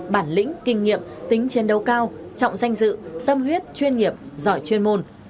bản lĩnh kinh nghiệm tính chiến đấu cao trọng danh dự tâm huyết chuyên nghiệp giỏi chuyên môn